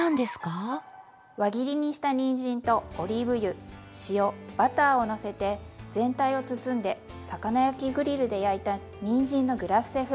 輪切りにしたにんじんとオリーブ油塩バターをのせて全体を包んで魚焼きグリルで焼いたにんじんのグラッセ風。